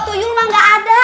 tuyul emang gak ada